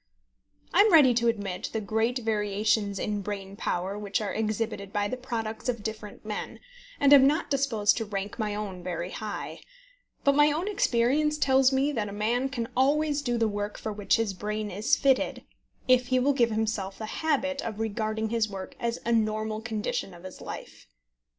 I am ready to admit the great variations in brain power which are exhibited by the products of different men, and am not disposed to rank my own very high; but my own experience tells me that a man can always do the work for which his brain is fitted if he will give himself the habit of regarding his work as a normal condition of his life.